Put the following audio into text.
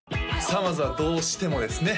さあまずはどうしてもですね